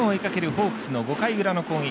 ホークスの５回の裏の攻撃。